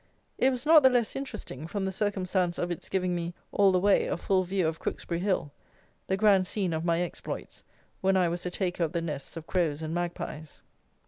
It was not the less interesting from the circumstance of its giving me all the way a full view of Crooksbury Hill, the grand scene of my exploits when I was a taker of the nests of crows and magpies.